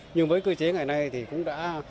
nhưng với cơ chế ngày nay cũng đã